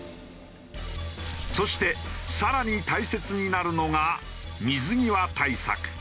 そして更に大切になるのが水際対策。